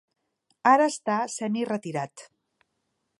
Ara està semi-retirat.